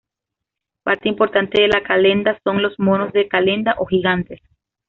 Parte importante de La calenda son los monos de calenda o gigantes.